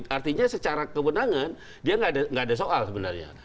artinya secara kewenangan dia nggak ada soal sebenarnya